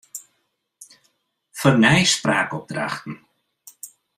Fernij spraakopdrachten.